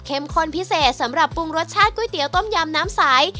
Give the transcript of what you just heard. ข้นพิเศษสำหรับปรุงรสชาติก๋วยเตี๋ยวต้มยำน้ำสาย